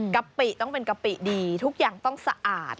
กะปิต้องเป็นกะปิดีทุกอย่างต้องสะอาด